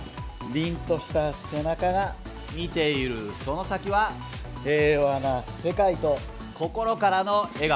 凛とした背中が見ているその先は平和な世界と心からの笑顔。